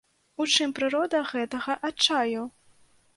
У чым прырода гэтага адчаю?